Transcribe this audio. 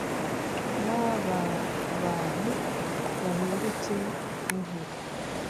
n aba bantu bahinduke inkwi